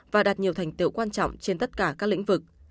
và đạt nhiều thành tiệu quan trọng trên tất cả các lĩnh vực